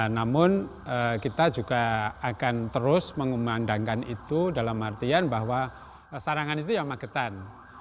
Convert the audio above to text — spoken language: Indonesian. namun kita juga akan terus mengumandangkan itu dalam artian bahwa sarangan itu ya magetan